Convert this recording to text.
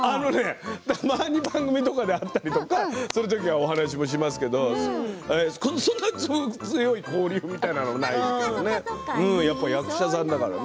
たまに番組とかで会ったりとか、そういう時お話しもしますけれどそんなに強い交流みたいなのはないかな。